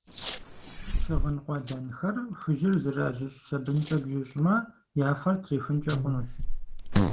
Щыгъын къуэлэнхэр хужьыр зэражьыщӏ сабынкӏэ бжьыщӏмэ, я фэр трихункӏэ хъунущ.